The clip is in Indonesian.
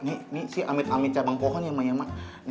ini sih amit amit cabang pohon ya mak